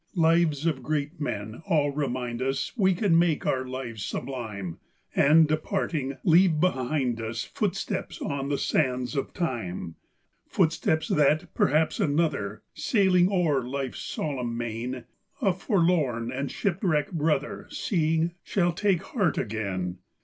Lives of great men all remind us We can make our lives sublime, And, departing, leave behind us Footprints on the sands of time; Footprints, that perhaps another, Sailing o'er life's solemn main, A forlorn and shipwrecked brother, Seeing, shall take heart again.